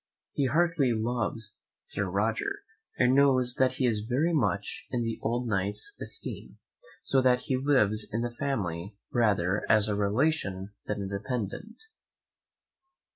He heartily loves Sir Roger, and knows that he is very much in the old Knight's esteem, so that he lives in the family rather as a relation than a dependent.